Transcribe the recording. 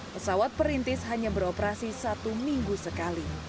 pesawat perintis hanya beroperasi satu minggu sekali